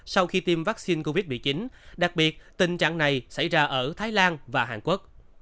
sau khi tiêm vaccine covid một mươi chín đặc biệt tình trạng này xảy ra ở thái lan và hàn quốc